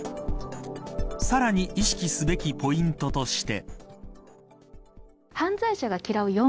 さらに意識すべきポイントとして。